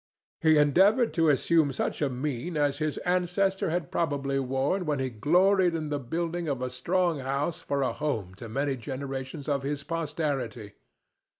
He endeavored to assume such a mien as his ancestor had probably worn when he gloried in the building of a strong house for a home to many generations of his posterity.